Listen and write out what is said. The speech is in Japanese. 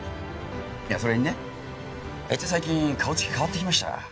それにねあいつ最近顔つき変わってきました。